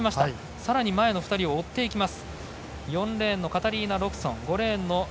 さらに前の２人を追っていきます。